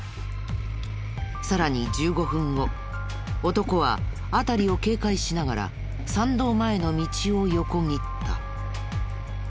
さらに１５分後男は辺りを警戒しながら参道前の道を横切った。